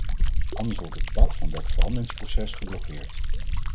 Anders wordt het pad van dat veranderingsproces geblokkeerd.